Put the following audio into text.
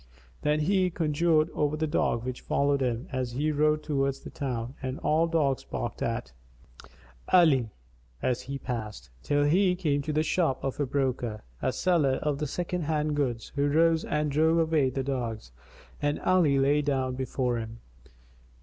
Then he conjured over the dog, which followed him, as he rode towards the town, and all dogs barked at Ali[FN#254] as he passed, till he came to the shop of a broker, a seller of second hand goods, who rose and drove away the dogs, and Ali lay down before him.